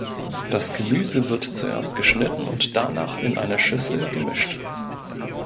Das Gemüse wird zuerst geschnitten und danach in einer Schüssel gemischt.